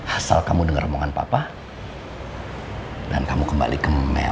asal kamu dengar omongan papa dan kamu kembali ke mean